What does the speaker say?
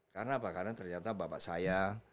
karena apa karena ternyata bapak saya